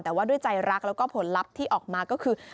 แต่ว่าด้วยใจรักแล้วก็ผลลัพธ์ที่ออกมาก็คือ